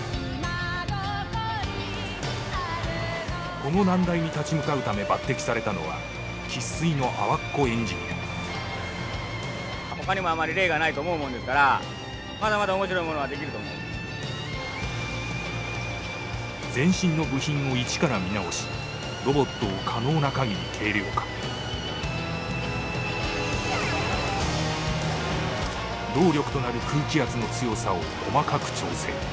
この難題に立ち向かうため抜てきされたのは生っ粋の阿波っ子エンジニア全身の部品をいちから見直しロボットを可能な限り軽量化動力となる空気圧の強さを細かく調整。